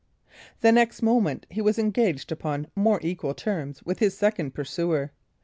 The next moment he was engaged, upon more equal terms, with his second pursuer.